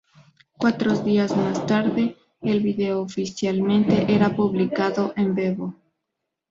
Cuatro días más tarde el vídeo oficialmente era publicado en Vevo.